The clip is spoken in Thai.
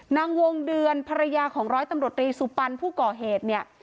นางวงเดือนภรรยาของร้อยตำรวจรีสุปันผู้ก่อเหตุเนี่ย